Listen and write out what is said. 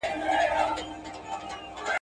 خو ثبوت یې ستونزمن دی.